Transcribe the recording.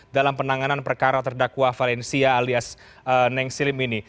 dalam penanganan perkara terdakwa valencia alias neng silim ini